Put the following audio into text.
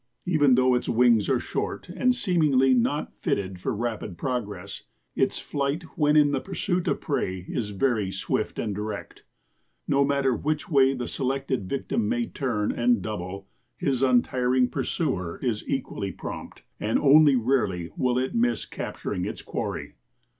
Even though its wings are short and seemingly not fitted for rapid progress, its flight, when in the pursuit of prey, is very swift and direct. "No matter which way the selected victim may turn and double, his untiring pursuer is equally prompt, and only rarely will it miss capturing its quarry.